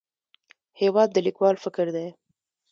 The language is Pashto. هېواد د لیکوال فکر دی.